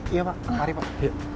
iya pak mari pak